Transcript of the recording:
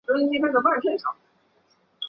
周瑜则分公安给刘备屯驻。